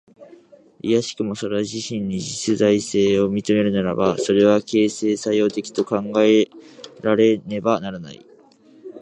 いやしくもそれ自身に実在性を認めるならば、それは形成作用的と考えられねばならない。